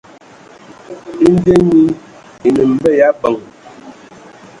E nda nyi e nə mbə ya abəŋ.